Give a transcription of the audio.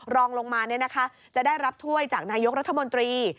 รองลงมาจะได้รับถ้วยจากนายกรัฐมนตรี